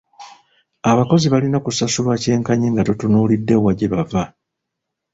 Abakozi balina kusasulwa kyenkanyi nga totunuulidde wa gye bava.